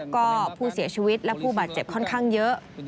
ก็ผู้เสียชีวิตและผู้บาดเจ็บค่อนข้างเยอะ